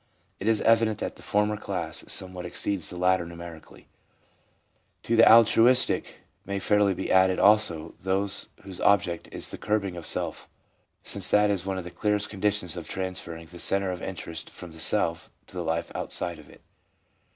It is evident that the former class somewhat exceeds the latter numerically. To the ADULT LIFE— MOTIVES AND PURPOSES 343 altruist ic may fairly be added also those whose object is the curbing of self, since that is one of the clearest conditions of transferring the centre of interest from the self to the life outside of it.